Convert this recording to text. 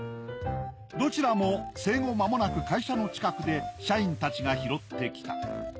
どちらも生後まもなく会社の近くで社員たちが拾ってきた。